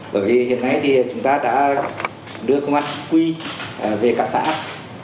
bởi vì hiện nay thì chúng ta đã đưa công an quy về cạn xã áp